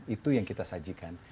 itu yang kita sajikan